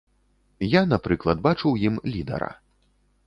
Я, напрыклад, бачу ў ім лідара.